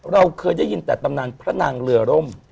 เราเคยได้ยินแต่ตำนานพระนางเรือร่ม